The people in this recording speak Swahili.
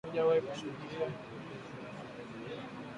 haujawahi kushuhudiwa